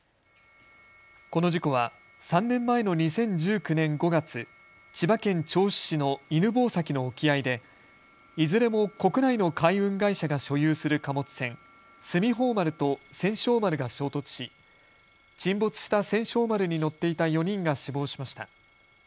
この事故は３年前の２０１９年５月、千葉県銚子市の犬吠埼の沖合でいずれも国内の海運会社が所有する貨物船、すみほう丸と千勝丸が衝突し沈没した千勝丸に乗っていた４人が死亡しました。